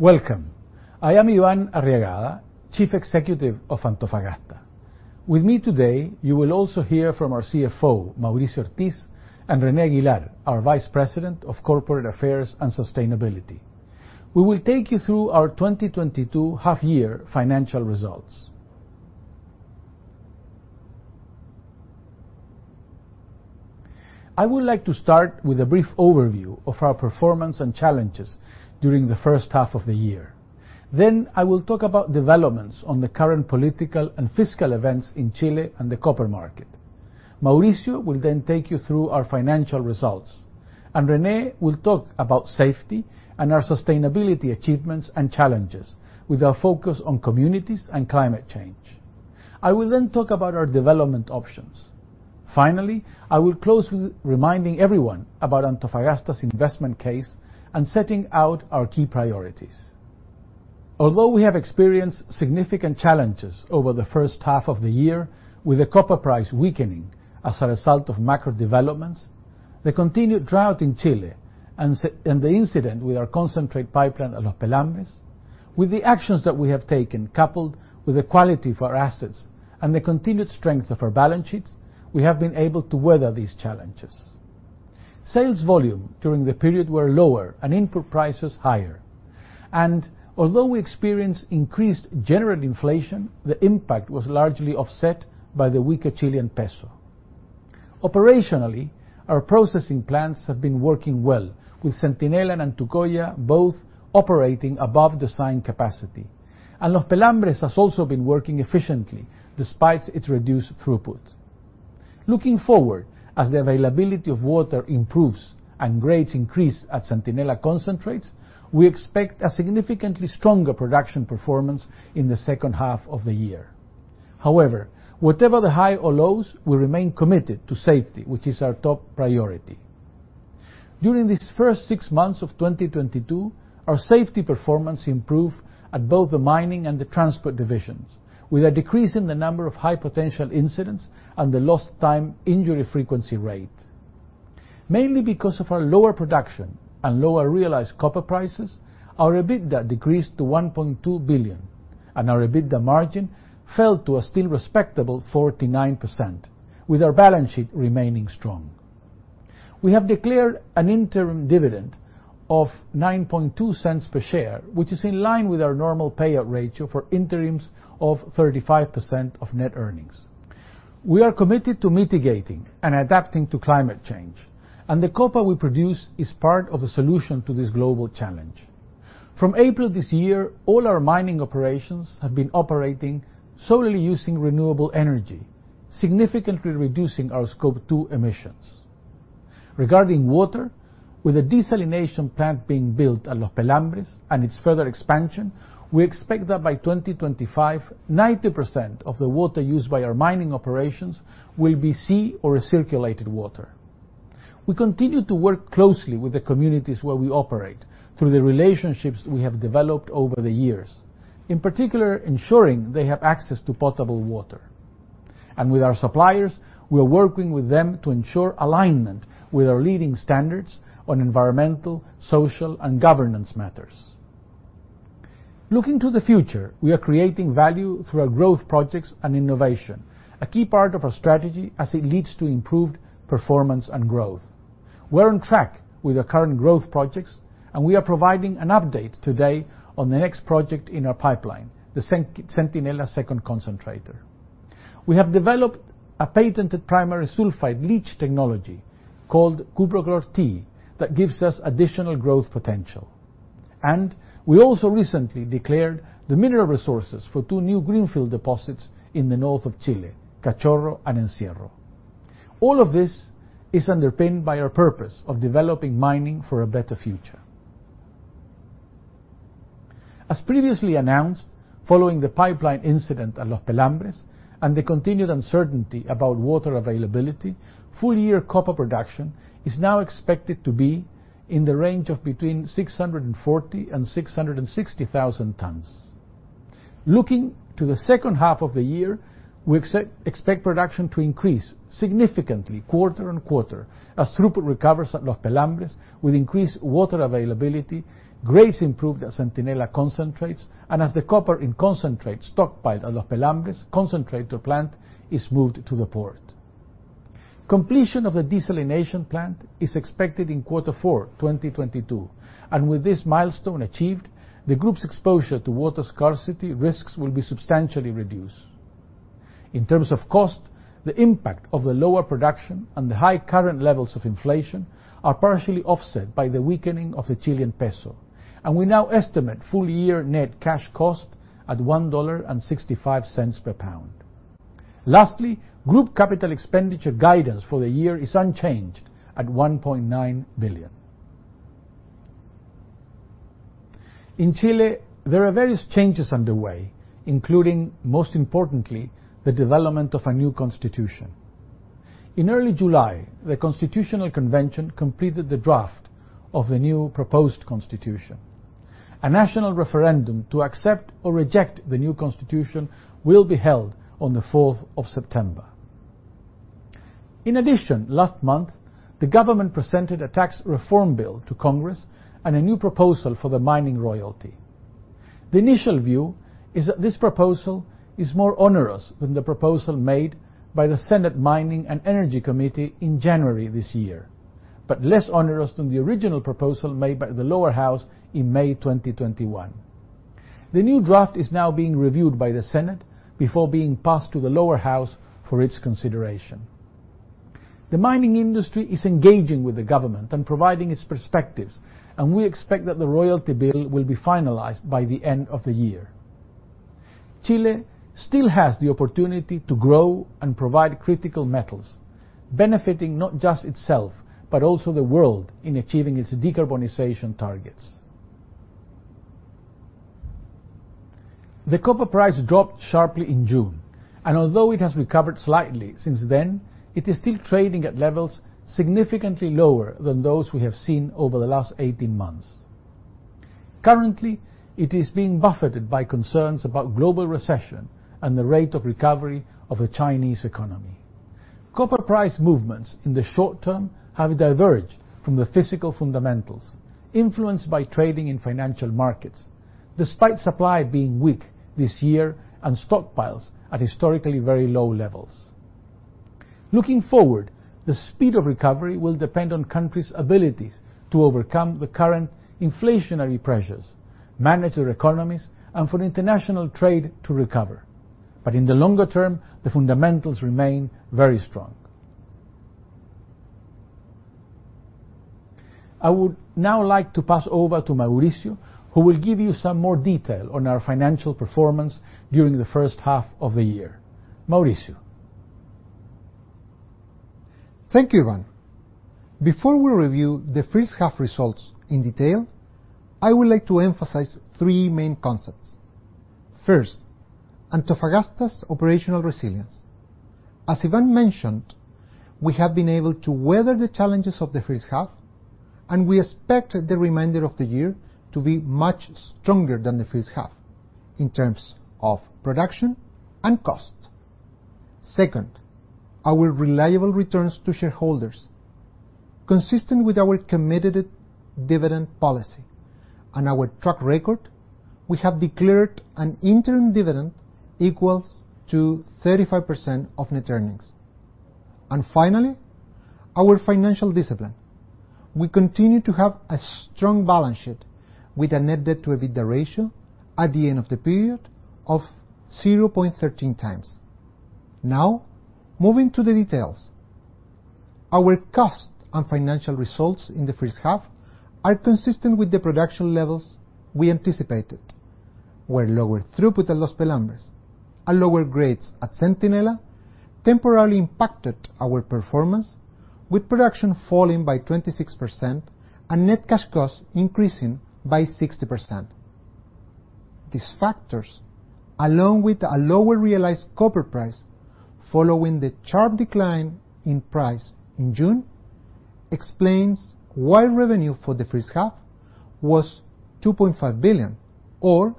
Welcome. I am Iván Arriagada, Chief Executive of Antofagasta. With me today, you will also hear from our Chief Financial Officer, Mauricio Ortiz, and René Aguilar, our Vice President of Corporate Affairs and Sustainability. We will take you through our 2022 half-year financial results. I would like to start with a brief overview of our performance and challenges during the first half of the year. I will talk about developments on the current political and fiscal events in Chile and the copper market. Mauricio will then take you through our financial results, and René will talk about safety and our sustainability achievements and challenges, with a focus on communities and climate change. I will then talk about our development options. Finally, I will close with reminding everyone about Antofagasta's investment case and setting out our key priorities. Although we have experienced significant challenges over the first half of the year, with the copper price weakening as a result of macro developments, the continued drought in Chile and the incident with our concentrate pipeline at Los Pelambres, with the actions that we have taken, coupled with the quality of our assets and the continued strength of our balance sheets, we have been able to weather these challenges. Sales volume during the period were lower and input prices higher. Although we experienced increased general inflation, the impact was largely offset by the weaker Chilean peso. Operationally, our processing plants have been working well, with Centinela and Antucoya both operating above design capacity. Los Pelambres has also been working efficiently despite its reduced throughput. Looking forward, as the availability of water improves and grades increase at Centinela Concentrates, we expect a significantly stronger production performance in the second half of the year. However, whatever the high or lows, we remain committed to safety, which is our top priority. During these first six months of 2022, our safety performance improved at both the mining and the transport divisions, with a decrease in the number of high potential incidents and the Lost Time Injury Frequency Rate. Mainly because of our lower production and lower realized copper prices, our EBITDA decreased to $1.2 billion, and our EBITDA margin fell to a still respectable 49%, with our balance sheet remaining strong. We have declared an interim dividend of $0.092 per share, which is in line with our normal payout ratio for interims of 35% of net earnings. We are committed to mitigating and adapting to climate change, and the copper we produce is part of the solution to this global challenge. From April this year, all our mining operations have been operating solely using renewable energy, significantly reducing our Scope two emissions. Regarding water, with a desalination plant being built at Los Pelambres and its further expansion, we expect that by 2025, 90% of the water used by our mining operations will be sea or recirculated water. We continue to work closely with the communities where we operate through the relationships we have developed over the years, in particular, ensuring they have access to potable water. With our suppliers, we are working with them to ensure alignment with our leading standards on environmental, social, and governance matters. Looking to the future, we are creating value through our growth projects and innovation, a key part of our strategy as it leads to improved performance and growth. We're on track with our current growth projects, and we are providing an update today on the next project in our pipeline, the Centinela Second Concentrator. We have developed a patented primary sulfide leach technology called Cuprochlor-T that gives us additional growth potential. We also recently declared the mineral resources for two new greenfield deposits in the north of Chile, Cachorro and Encierro. All of this is underpinned by our purpose of developing mining for a better future. As previously announced, following the pipeline incident at Los Pelambres and the continued uncertainty about water availability, full year copper production is now expected to be in the range of between 640,000 and 660,000 tons. Looking to the second half of the year, we expect production to increase significantly quarter-over-quarter as throughput recovers at Los Pelambres with increased water availability, grades improved at Centinela Concentrates, and as the copper in concentrate stockpiled at Los Pelambres concentrate plant is moved to the port. Completion of the desalination plant is expected in quarter four, 2022, and with this milestone achieved, the group's exposure to water scarcity risks will be substantially reduced. In terms of cost, the impact of the lower production and the high current levels of inflation are partially offset by the weakening of the Chilean peso, and we now estimate full year net cash cost at $1.65 per pound. Lastly, group capital expenditure guidance for the year is unchanged at $1.9 billion. In Chile, there are various changes underway, including, most importantly, the development of a new constitution. In early July, the constitutional convention completed the draft of the new proposed constitution. A national referendum to accept or reject the new constitution will be held on the fourth of September. In addition, last month, the government presented a tax reform bill to Congress and a new proposal for the mining royalty. The initial view is that this proposal is more onerous than the proposal made by the Senate Mining and Energy Committee in January this year, but less onerous than the original proposal made by the Lower House in May 2021. The new draft is now being reviewed by the Senate before being passed to the Lower House for its consideration. The mining industry is engaging with the government and providing its perspectives, and we expect that the royalty bill will be finalized by the end of the year. Chile still has the opportunity to grow and provide critical metals, benefiting not just itself, but also the world in achieving its decarbonization targets. The copper price dropped sharply in June, and although it has recovered slightly since then, it is still trading at levels significantly lower than those we have seen over the last eighteen months. Currently, it is being buffeted by concerns about global recession and the rate of recovery of the Chinese economy. Copper price movements in the short term have diverged from the physical fundamentals, influenced by trading in financial markets, despite supply being weak this year and stockpiles at historically very low levels. Looking forward, the speed of recovery will depend on countries' abilities to overcome the current inflationary pressures, manage their economies, and for international trade to recover. In the longer term, the fundamentals remain very strong. I would now like to pass over to Mauricio, who will give you some more detail on our financial performance during the first half of the year. Mauricio? Thank you, Iván. Before we review the first half results in detail, I would like to emphasize three main concepts. First, Antofagasta's operational resilience. As Iván mentioned, we have been able to weather the challenges of the first half, and we expect the remainder of the year to be much stronger than the first half in terms of production and cost. Second, our reliable returns to shareholders. Consistent with our committed dividend policy and our track record, we have declared an interim dividend equals to 35% of net earnings. Finally, our financial discipline. We continue to have a strong balance sheet with a net debt to EBITDA ratio at the end of the period of 0.13x. Now, moving to the details. Our cost and financial results in the first half are consistent with the production levels we anticipated, where lower throughput at Los Pelambres and lower grades at Centinela temporarily impacted our performance, with production falling by 26% and net cash costs increasing by 60%. These factors, along with a lower realized copper price following the sharp decline in price in June, explains why revenue for the first half was $2.5 billion or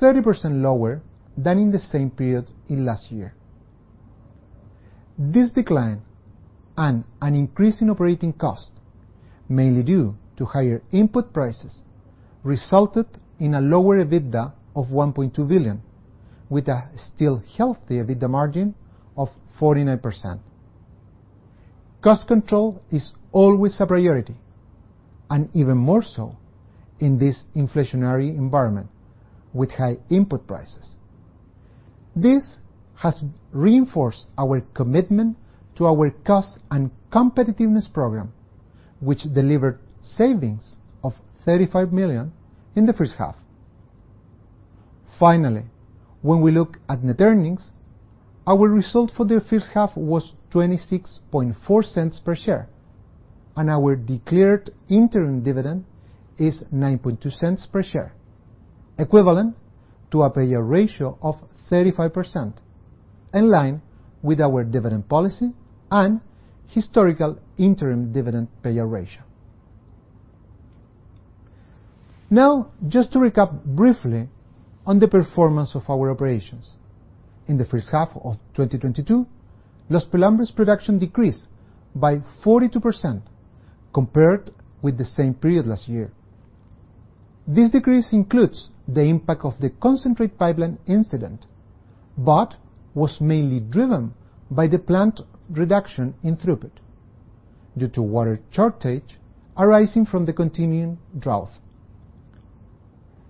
30% lower than in the same period in last year. This decline and an increase in operating cost, mainly due to higher input prices, resulted in a lower EBITDA of $1.2 billion, with a still healthy EBITDA margin of 49%. Cost control is always a priority, and even more so in this inflationary environment with high input prices. This has reinforced our commitment to our Cost and Competitiveness Programme, which delivered savings of $35 million in the first half. Finally, when we look at net earnings, our result for the first half was $0.264 per share, and our declared interim dividend is $0.092 per share, equivalent to a payout ratio of 35%, in line with our dividend policy and historical interim dividend payout ratio. Now, just to recap briefly on the performance of our operations. In the first half of 2022, Los Pelambres production decreased by 42% compared with the same period last year. This decrease includes the impact of the concentrate pipeline incident, but was mainly driven by the plant reduction in throughput due to water shortage arising from the continuing drought.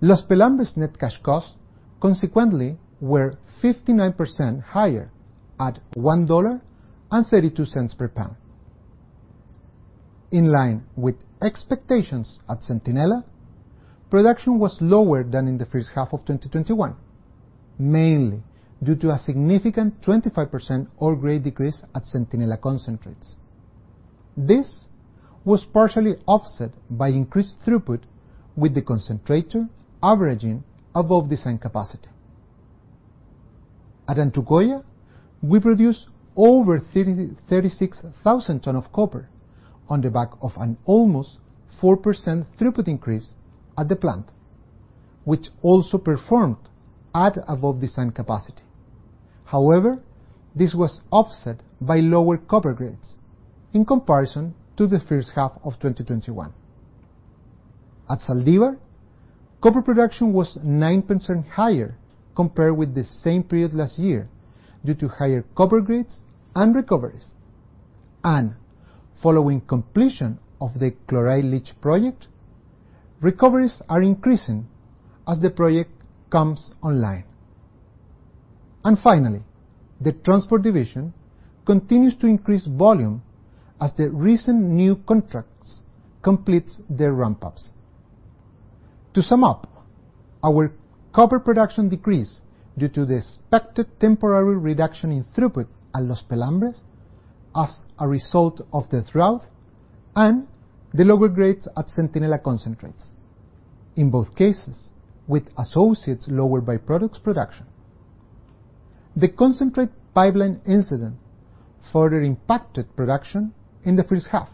Los Pelambres net cash costs consequently were 59% higher at $1.32 per pound. In line with expectations at Centinela, production was lower than in the first half of 2021, mainly due to a significant 25% ore grade decrease at Centinela Concentrates. This was partially offset by increased throughput with the concentrator averaging above design capacity. At Antucoya, we produced over 36,000 tons of copper on the back of an almost 4% throughput increase at the plant. Which also performed at above design capacity. However, this was offset by lower copper grades in comparison to the first half of 2021. At Zaldívar, copper production was 9% higher compared with the same period last year due to higher copper grades and recoveries. Following completion of the chloride leach project, recoveries are increasing as the project comes online. Finally, the transport division continues to increase volume as the recent new contracts completes their ramp-ups. To sum up, our copper production decreased due to the expected temporary reduction in throughput at Los Pelambres as a result of the drought and the lower grades at Centinela Concentrates, in both cases with associated lower by-products production. The concentrate pipeline incident further impacted production in the first half,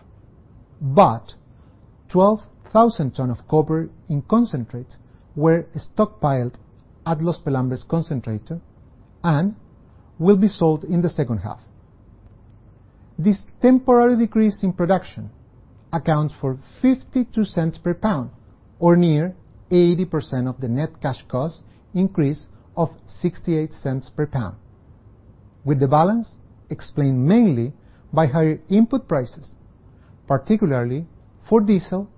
but 12,000 tons of copper in concentrates were stockpiled at Los Pelambres concentrator and will be sold in the second half. This temporary decrease in production accounts for $0.52 per pound or near 80% of the net cash cost increase of $0.68 per pound, with the balance explained mainly by higher input prices, particularly for diesel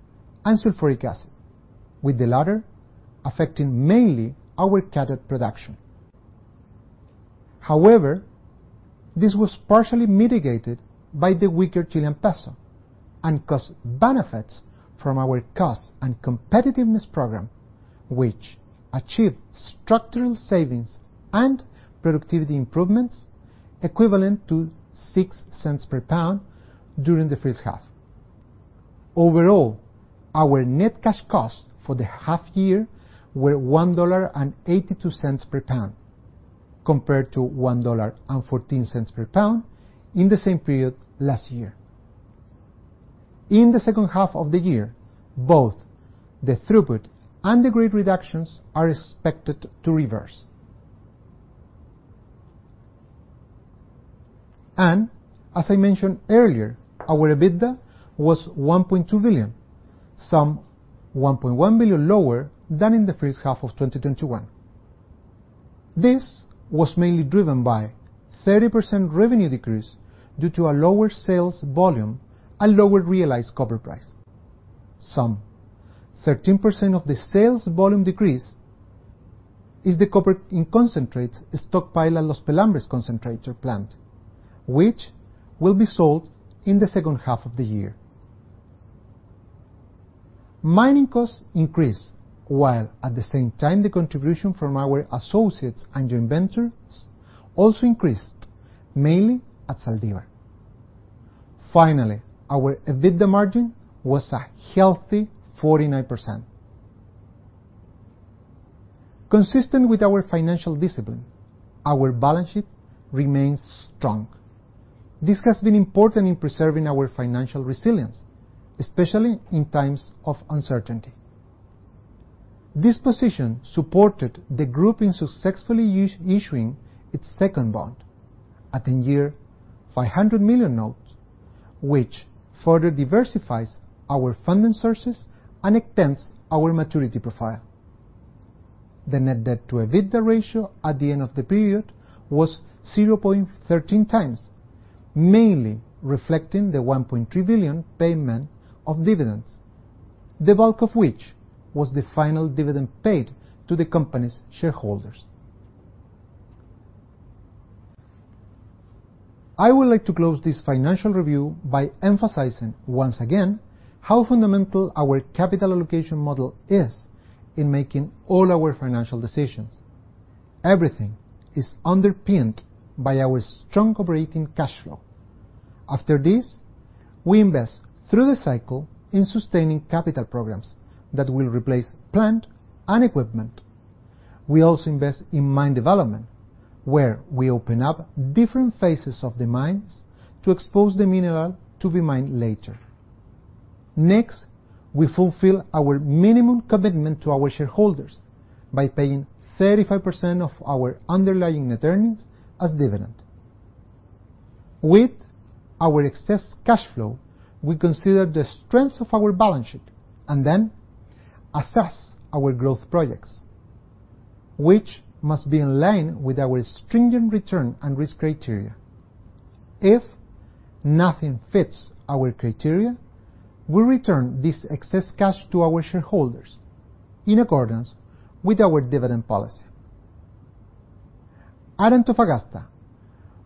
and sulfuric acid, with the latter affecting mainly our cathode production. However, this was partially mitigated by the weaker Chilean peso and cost benefits from our Cost and Competitiveness Program, which achieved structural savings and productivity improvements equivalent to $0.06 per pound during the first half. Overall, our net cash costs for the half year were $1.82 per pound compared to $1.14 per pound in the same period last year. In the second half of the year, both the throughput and the grade reductions are expected to reverse. As I mentioned earlier, our EBITDA was $1.2 billion, some $1.1 billion lower than in the first half of 2021. This was mainly driven by 30% revenue decrease due to a lower sales volume and lower realized copper price. Some 13% of the sales volume decrease is the copper in concentrates stockpiled at Los Pelambres concentrator plant, which will be sold in the second half of the year. Mining costs increased, while at the same time the contribution from our associates and joint ventures also increased, mainly at Zaldívar. Finally, our EBITDA margin was a healthy 49%. Consistent with our financial discipline, our balance sheet remains strong. This has been important in preserving our financial resilience, especially in times of uncertainty. This position supported the group in successfully issuing its second bond, a 10-year, $500 million note, which further diversifies our funding sources and extends our maturity profile. The net debt to EBITDA ratio at the end of the period was 0.13x, mainly reflecting the $1.3 billion payment of dividends, the bulk of which was the final dividend paid to the company's shareholders. I would like to close this financial review by emphasizing once again how fundamental our capital allocation model is in making all our financial decisions. Everything is underpinned by our strong operating cash flow. After this, we invest through the cycle in sustaining capital programs that will replace plant and equipment. We also invest in mine development, where we open up different phases of the mines to expose the mineral to be mined later. Next, we fulfill our minimum commitment to our shareholders by paying 35% of our underlying net earnings as dividend. With our excess cash flow, we consider the strength of our balance sheet and then assess our growth projects, which must be in line with our stringent return and risk criteria. If nothing fits our criteria, we'll return this excess cash to our shareholders in accordance with our dividend policy. At Antofagasta,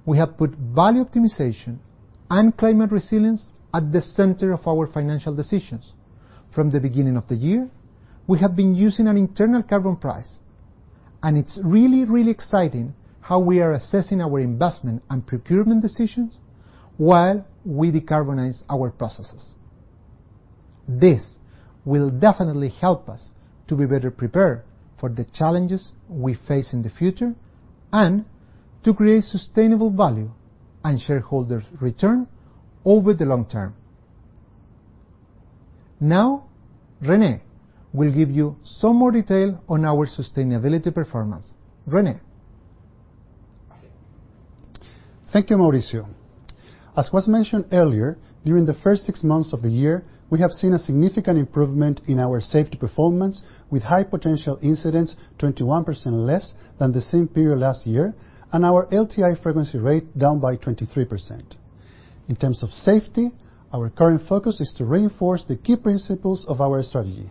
we have put value optimization and climate resilience at the center of our financial decisions. From the beginning of the year, we have been using an internal carbon price, and it's really, really exciting how we are assessing our investment and procurement decisions while we decarbonize our processes. This will definitely help us to be better prepared for the challenges we face in the future and to create sustainable value and shareholder return over the long term. Now, René will give you some more detail on our sustainability performance. René? Thank you, Mauricio. As was mentioned earlier, during the first six months of the year, we have seen a significant improvement in our safety performance, with high potential incidents 21% less than the same period last year, and our LTI frequency rate down by 23%. In terms of safety, our current focus is to reinforce the key principles of our strategy,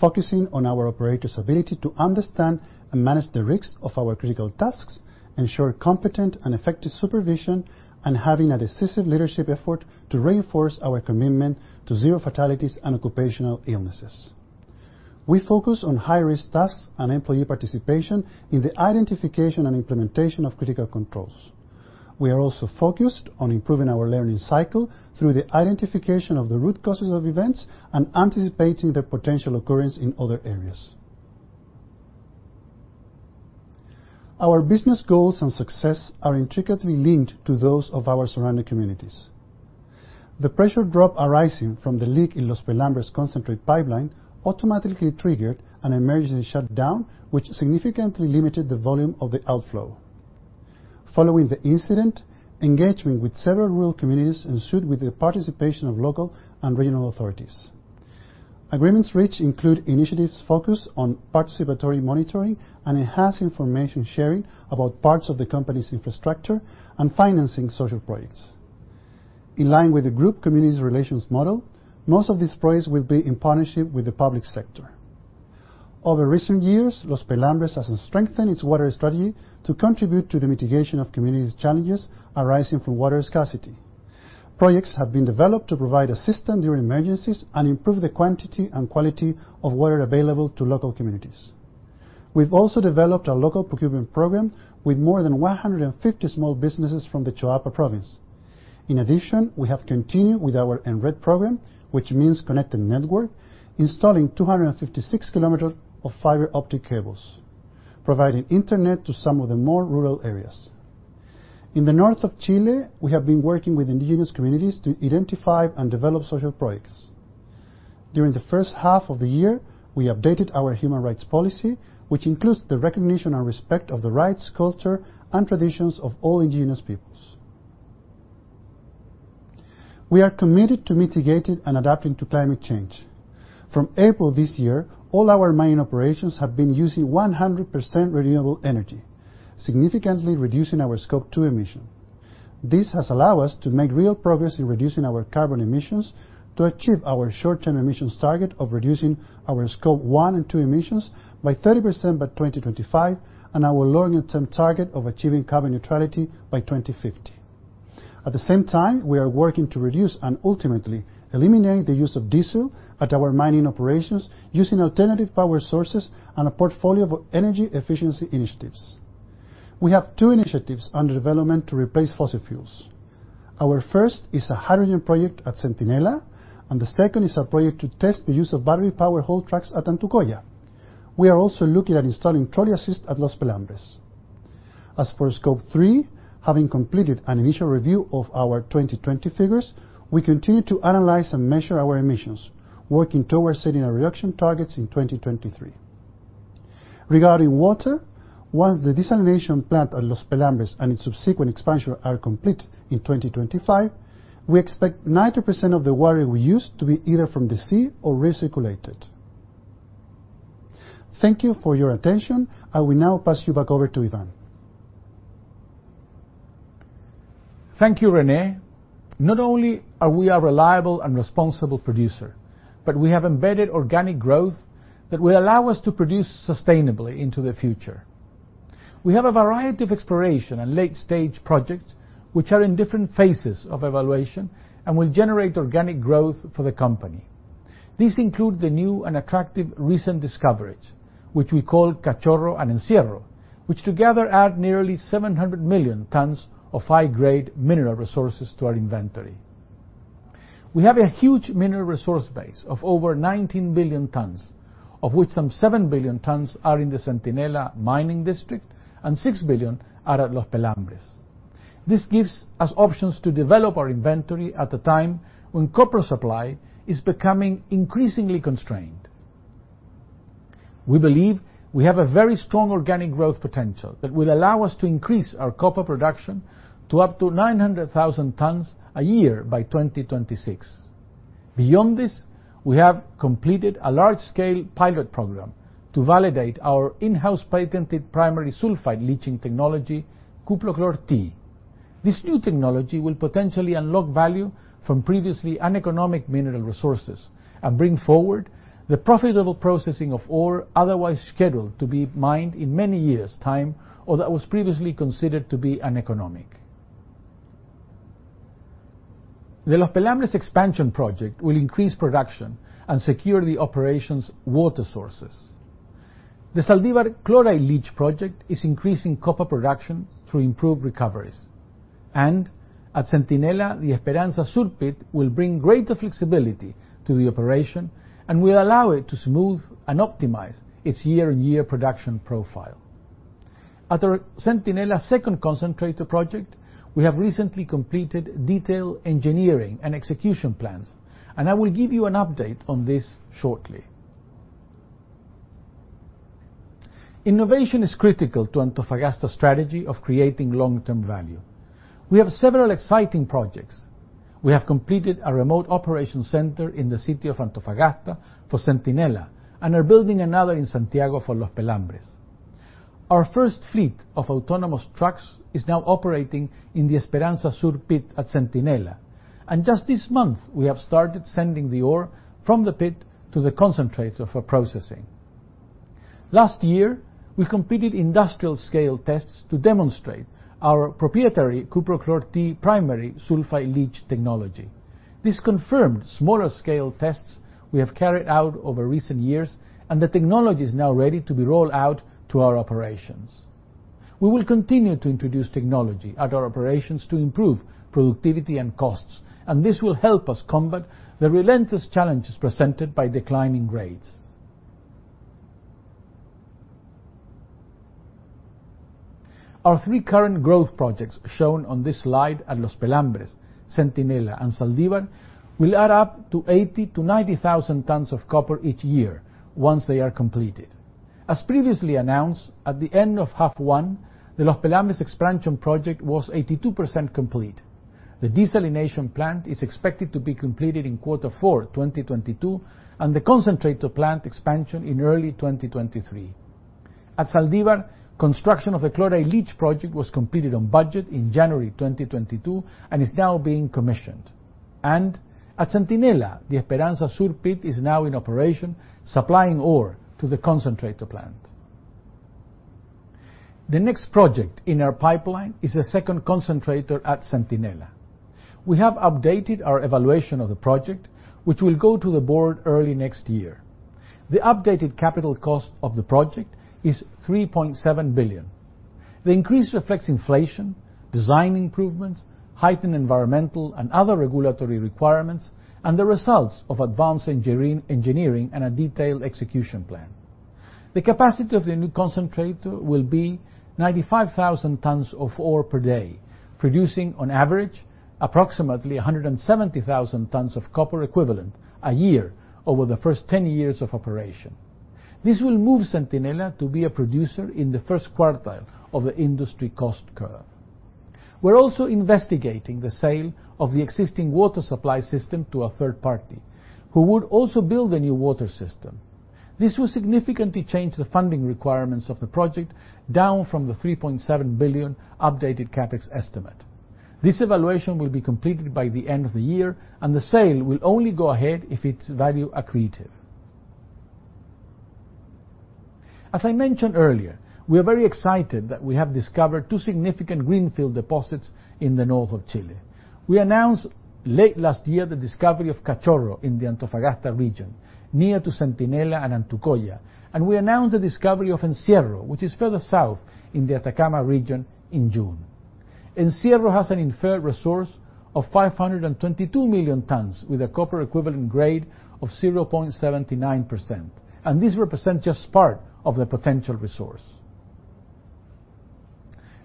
focusing on our operators' ability to understand and manage the risks of our critical tasks, ensure competent and effective supervision, and having a decisive leadership effort to reinforce our commitment to zero fatalities and occupational illnesses. We focus on high-risk tasks and employee participation in the identification and implementation of critical controls. We are also focused on improving our learning cycle through the identification of the root causes of events and anticipating their potential occurrence in other areas. Our business goals and success are intricately linked to those of our surrounding communities. The pressure drop arising from the leak in Los Pelambres concentrate pipeline automatically triggered an emergency shutdown, which significantly limited the volume of the outflow. Following the incident, engagement with several rural communities ensued with the participation of local and regional authorities. Agreements reached include initiatives focused on participatory monitoring and enhanced information sharing about parts of the company's infrastructure and financing social projects. In line with the group community's relations model, most of these projects will be in partnership with the public sector. Over recent years, Los Pelambres has strengthened its water strategy to contribute to the mitigation of community's challenges arising from water scarcity. Projects have been developed to provide assistance during emergencies and improve the quantity and quality of water available to local communities. We've also developed a local procurement program with more than 150 small businesses from the Choapa province. In addition, we have continued with our EnRed program, which means connected network, installing 256 kilometers of fiber-optic cables, providing internet to some of the more rural areas. In the north of Chile, we have been working with indigenous communities to identify and develop social projects. During the first half of the year, we updated our human rights policy, which includes the recognition and respect of the rights, culture, and traditions of all indigenous peoples. We are committed to mitigating and adapting to climate change. From April this year, all our mining operations have been using 100% renewable energy, significantly reducing our Scope two emission. This has allowed us to make real progress in reducing our carbon emissions to achieve our short-term emissions target of reducing our Scope one and two emissions by 30% by 2025, and our longer-term target of achieving carbon neutrality by 2050. At the same time, we are working to reduce and ultimately eliminate the use of diesel at our mining operations using alternative power sources and a portfolio of energy efficiency initiatives. We have two initiatives under development to replace fossil fuels. Our first is a hydrogen project at Centinela, and the second is a project to test the use of battery-powered haul trucks at Antucoya. We are also looking at installing trolley assist at Los Pelambres. As for Scope three, having completed an initial review of our 2020 figures, we continue to analyze and measure our emissions, working towards setting a reduction target in 2023. Regarding water, once the desalination plant at Los Pelambres and its subsequent expansion are complete in 2025, we expect 90% of the water we use to be either from the sea or recirculated. Thank you for your attention. I will now pass you back over to Iván. Thank you, René. Not only are we a reliable and responsible producer, but we have embedded organic growth that will allow us to produce sustainably into the future. We have a variety of exploration and late-stage projects which are in different phases of evaluation and will generate organic growth for the company. These include the new and attractive recent discoveries, which we call Cachorro and Encierro, which together add nearly 700 million tons of high-grade mineral resources to our inventory. We have a huge mineral resource base of over 19 billion tons, of which some 7 billion tons are in the Centinela mining district and 6 billion are at Los Pelambres. This gives us options to develop our inventory at a time when copper supply is becoming increasingly constrained. We believe we have a very strong organic growth potential that will allow us to increase our copper production to up to 900,000 tons a year by 2026. Beyond this, we have completed a large-scale pilot program to validate our in-house patented primary sulfide leaching technology, Cuprochlor-T. This new technology will potentially unlock value from previously uneconomic mineral resources and bring forward the profitable processing of ore otherwise scheduled to be mined in many years' time, or that was previously considered to be uneconomic. The Los Pelambres expansion project will increase production and secure the operation's water sources. The Zaldívar Chloride Leach project is increasing copper production through improved recoveries. At Centinela, the Esperanza Sur pit will bring greater flexibility to the operation and will allow it to smooth and optimize its year-on-year production profile. At our Centinela Second Concentrator project, we have recently completed detailed engineering and execution plans, and I will give you an update on this shortly. Innovation is critical to Antofagasta's strategy of creating long-term value. We have several exciting projects. We have completed a remote operation center in the city of Antofagasta for Centinela and are building another in Santiago for Los Pelambres. Our first fleet of autonomous trucks is now operating in the Esperanza Sur pit at Centinela. Just this month, we have started sending the ore from the pit to the concentrator for processing. Last year, we completed industrial scale tests to demonstrate our proprietary Cuprochlor-T primary sulfide leach technology. This confirmed smaller scale tests we have carried out over recent years, and the technology is now ready to be rolled out to our operations. We will continue to introduce technology at our operations to improve productivity and costs, and this will help us combat the relentless challenges presented by declining grades. Our three current growth projects shown on this slide at Los Pelambres, Centinela, and Zaldívar will add up to 80,000-90,000 tons of copper each year once they are completed. As previously announced, at the end of half one, the Los Pelambres expansion project was 82% complete. The desalination plant is expected to be completed in quarter four 2022, and the concentrator plant expansion in early 2023. At Zaldívar, construction of the chloride leach project was completed on budget in January 2022 and is now being commissioned. At Centinela, the Esperanza Sur pit is now in operation, supplying ore to the concentrator plant. The next project in our pipeline is a second concentrator at Centinela. We have updated our evaluation of the project, which will go to the board early next year. The updated capital cost of the project is $3.7 billion. The increase reflects inflation, design improvements, heightened environmental and other regulatory requirements, and the results of advanced engineering and a detailed execution plan. The capacity of the new concentrator will be 95,000 tons of ore per day, producing on average approximately 170,000 tons of copper equivalent a year over the first 10 years of operation. This will move Centinela to be a producer in the first quartile of the industry cost curve. We're also investigating the sale of the existing water supply system to a third party who would also build a new water system. This will significantly change the funding requirements of the project, down from the $3.7 billion updated CapEx estimate. This evaluation will be completed by the end of the year, and the sale will only go ahead if it's value accretive. As I mentioned earlier, we are very excited that we have discovered two significant greenfield deposits in the north of Chile. We announced late last year the discovery of Cachorro in the Antofagasta Region, near to Centinela and Antucoya, and we announced the discovery of Encierro, which is further south in the Atacama Region, in June. Encierro has an inferred resource of 522 million tons, with a copper equivalent grade of 0.79%, and this represents just part of the potential resource.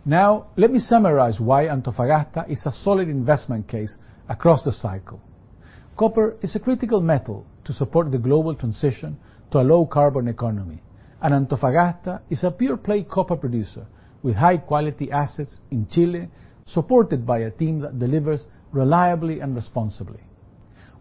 Now, let me summarize why Antofagasta is a solid investment case across the cycle. Copper is a critical metal to support the global transition to a low-carbon economy. Antofagasta is a pure play copper producer with high-quality assets in Chile, supported by a team that delivers reliably and responsibly.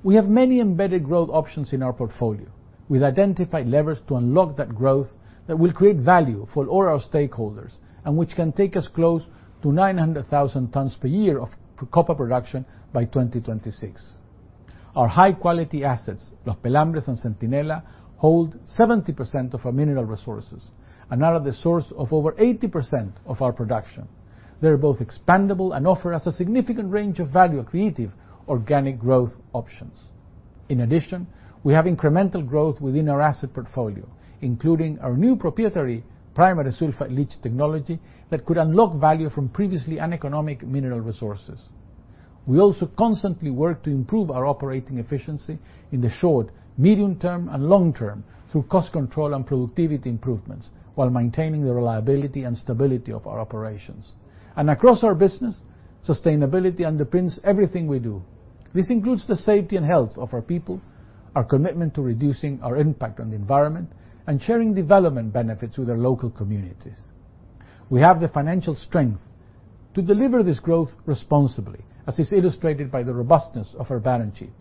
We have many embedded growth options in our portfolio. We've identified levers to unlock that growth that will create value for all our stakeholders and which can take us close to 900,000 tons per year of copper production by 2026. Our high-quality assets, Los Pelambres and Centinela, hold 70% of our mineral resources and are the source of over 80% of our production. They are both expandable and offer us a significant range of value-accretive organic growth options. In addition, we have incremental growth within our asset portfolio, including our new proprietary primary sulfide leach technology that could unlock value from previously uneconomic mineral resources. We also constantly work to improve our operating efficiency in the short, medium term, and long term through cost control and productivity improvements while maintaining the reliability and stability of our operations. Across our business, sustainability underpins everything we do. This includes the safety and health of our people, our commitment to reducing our impact on the environment, and sharing development benefits with the local communities. We have the financial strength to deliver this growth responsibly, as is illustrated by the robustness of our balance sheet.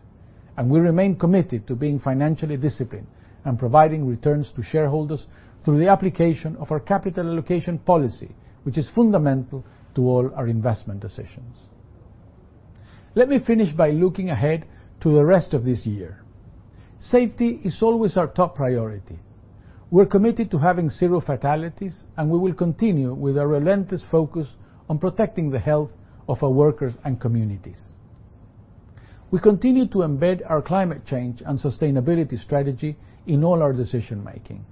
We remain committed to being financially disciplined and providing returns to shareholders through the application of our capital allocation policy, which is fundamental to all our investment decisions. Let me finish by looking ahead to the rest of this year. Safety is always our top priority. We're committed to having zero fatalities, and we will continue with our relentless focus on protecting the health of our workers and communities. We continue to embed our climate change and sustainability strategy in all our decision-making.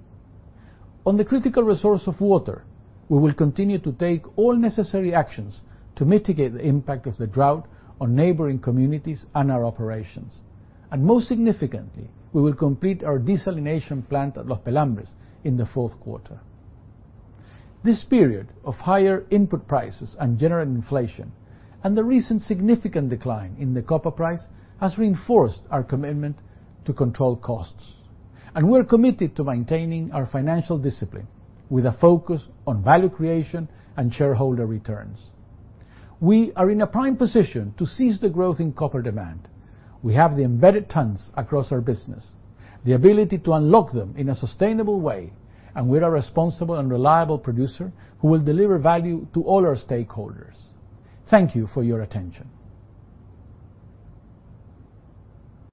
On the critical resource of water, we will continue to take all necessary actions to mitigate the impact of the drought on neighboring communities and our operations. Most significantly, we will complete our desalination plant at Los Pelambres in the fourth quarter. This period of higher input prices and general inflation and the recent significant decline in the copper price has reinforced our commitment to control costs. We're committed to maintaining our financial discipline with a focus on value creation and shareholder returns. We are in a prime position to seize the growth in copper demand. We have the embedded tons across our business, the ability to unlock them in a sustainable way, and we're a responsible and reliable producer who will deliver value to all our stakeholders. Thank you for your attention.